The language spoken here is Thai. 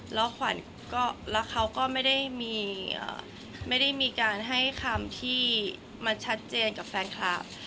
แล้วขวัญแล้วเขาก็ไม่ได้มีการให้คำที่มันชัดเจนกับแฟนคลับ